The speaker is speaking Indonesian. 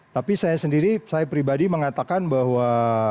tapi saya sendiri saya pribadi mengatakan bahwa